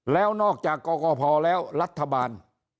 แล้วนอกจากกรกภแล้วรัฐบาล